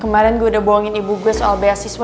kemarin gue udah bohongin ibu gue soal beasiswa